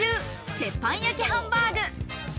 鉄板焼ハンバーグ」。